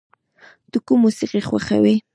ته کوم موسیقی خوښوې؟